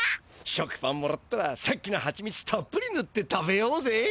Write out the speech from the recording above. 食パンもらったらさっきのハチミツたっぷりぬって食べようぜ。